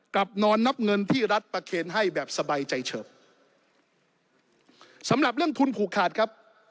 นอนนับเงินที่รัฐประเคนให้แบบสบายใจเฉิบสำหรับเรื่องทุนผูกขาดครับ